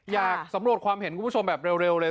อยากสำรวจความเห็นคุณผู้ชมแบบเร็วเลย